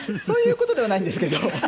そういうことではないんですけど。